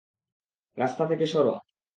রাস্তা থেকে সর!